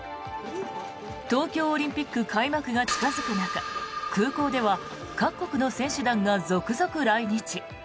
東京オリンピック開幕が近付く中空港では各国の選手団が続々来日。